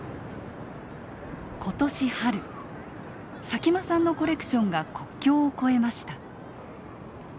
佐喜眞さんのコレクションが国境を越えました。